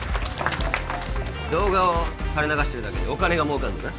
動画を垂れ流してるだけでお金がもうかるのか？